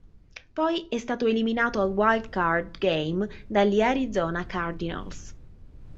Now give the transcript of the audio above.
Poi è stato eliminato al Wild card Game dagli Arizona Cardinals.